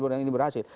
di bidang ini berhasil